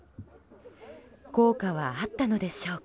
効果はあったのでしょうか。